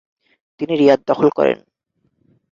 তিনি রিয়াদ দখল করেন।